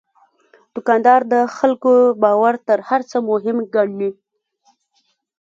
دوکاندار د خلکو باور تر هر څه مهم ګڼي.